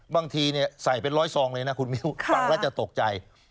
บางทีใส่เป็นร้อยซองเลยนะคุณมิ้วฟังแล้วจะตกใจ